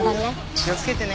気をつけてね。